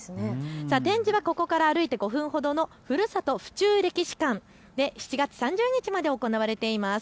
展示はここから歩いて５分ほどのふるさと府中歴史館で７月３０日まで行われています。